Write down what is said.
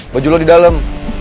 baju lo di dalam